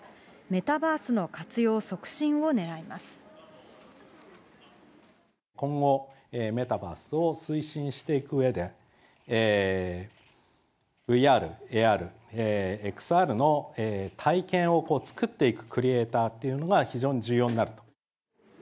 メタバースの活用促進をねらいま今後、メタバースを推進していくうえで、ＶＲ、ＡＲ、ＸＲの体験を作っていくクリエーターっていうのが非常に重要になると。